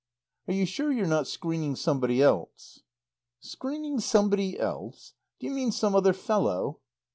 "Are you sure you're not screening somebody else?" "Screening somebody else? Do you mean some other fellow?"